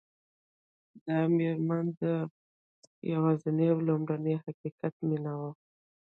دا مېرمن د ده یوازېنۍ او لومړنۍ حقیقي مینه وه